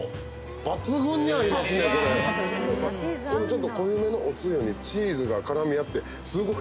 ちょっと濃いめのおつゆにチーズが絡み合って。